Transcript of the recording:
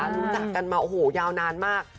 รู้จักกันมาโอ้โหยาวนานมาก